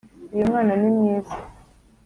uyu mwana ni mwiza